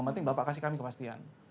berikan kami kepastian